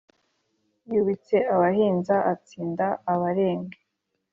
Yubitse abahinza atsinda Abarenge